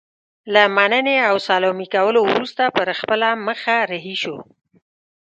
له مننې او سلامي کولو وروسته پر خپله مخه رهي شو.